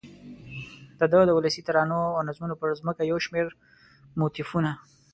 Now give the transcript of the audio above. دده د ولسي ترانو او نظمونو پر ځمکه یو شمېر موتیفونه